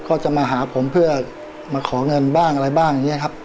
เขาจะมาหาผมเพื่อมาขอเงินบ้างอะไรบ้างอย่างนี้ครับ